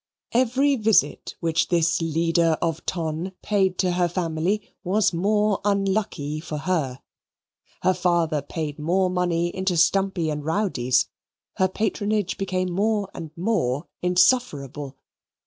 Every visit which this leader of ton paid to her family was more unlucky for her. Her father paid more money into Stumpy and Rowdy's. Her patronage became more and more insufferable.